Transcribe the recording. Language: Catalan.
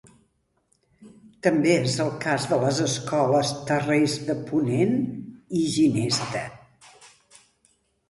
També és el cas de les escoles Terres de Ponent i Ginesta.